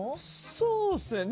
そうですね。